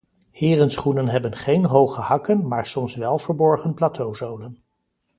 Herenschoenen hebben geen hoge hakken, maar soms wel verborgen plateauzolen.